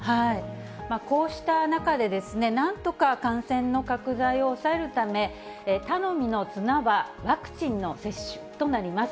こうした中で、なんとか感染の拡大を抑えるため、頼みの綱はワクチンの接種となります。